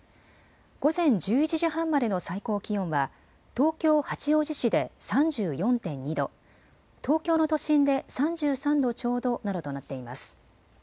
午前１１時半までの最高気温は東京八王子市で３４．２度、東京の都心で３３度ちょうどなどとなっています。